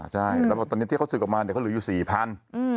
ใช่แล้วตอนนี้ที่เขาสึกออกมาเขาหรือยู่๔๐๐๐บาท